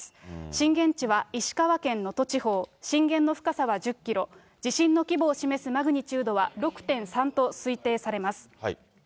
震源地は石川県能登地方、震源の深さは１０キロ、地震の規模を示すマグニチュードは６．３と推定されます。